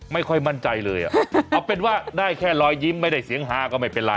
ไม่ค่อยมั่นใจเลยเอาเป็นว่าได้แค่รอยยิ้มไม่ได้เสียงฮาก็ไม่เป็นไร